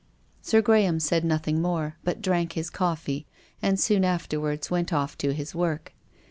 Sir Graham said nothing more, but drank his coffee and soon afterwards went off to his work.